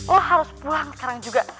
lo harus pulang sekarang juga